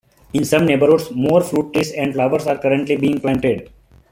In some neighbourhoods more fruit trees and flowers are currently being planted.